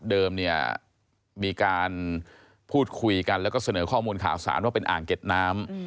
เดิมเนี่ยมีการพูดคุยกันแล้วก็เสนอข้อมูลข่าวสารว่าเป็นอ่างเก็บน้ำ